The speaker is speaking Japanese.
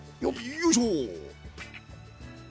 よいしょ！